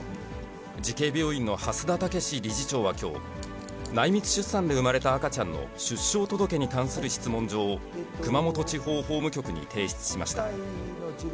慈恵病院の蓮田健理事長はきょう、内密出産で産まれた赤ちゃんの出生届に関する質問状を、熊本地方法務局に提出しました。